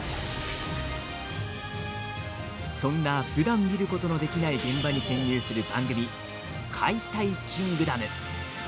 そんなふだん見ることのできない現場に潜入する番組「解体キングダム」。